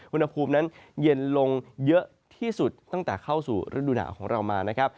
วนภูมินั้นเย็นลงเยอะที่สุดตั้งแต่เข้าสู่ฤดูหน่าของเรามา